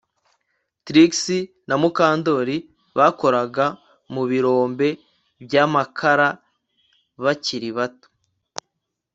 Trix na Mukandoli bakoraga mu birombe byamakara bakiri bato